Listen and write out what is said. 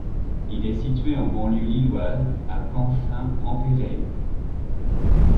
Il est situé en banlieue Lilloise à Camphin-en-Pévèle.